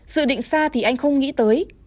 sự định xa thì anh không nghĩ tới